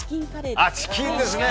チキンですね！